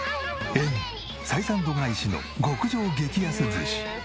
採算度外視の極上激安寿司。